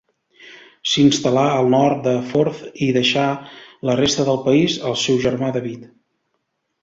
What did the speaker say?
S'instal·là al nord del Forth i deixà la resta del país al seu germà David.